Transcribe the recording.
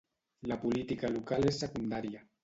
La política local és secundària.